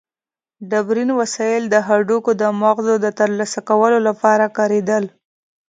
ډبرین وسایل د هډوکو د مغزو د ترلاسه کولو لپاره کارېدل.